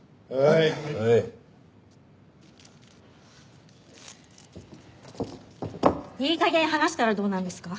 いい加減話したらどうなんですか？